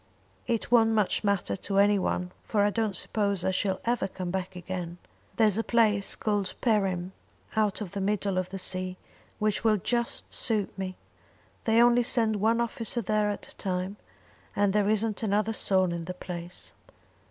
"It won't much matter to any one, for I don't suppose I shall ever come back again. There's a place called Perim, out in the middle of the sea, which will just suit me. They only send one officer there at a time, and there isn't another soul in the place."